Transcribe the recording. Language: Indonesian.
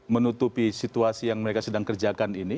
menutupi situasi yang mereka sedang kerjakan ini